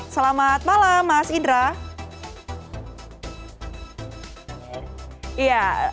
selamat malam mas indra